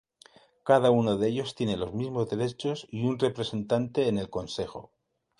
Cada uno de ellos tiene los mismos derechos y un representante en el Consejo.